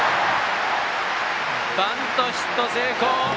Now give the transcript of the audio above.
バントヒット成功！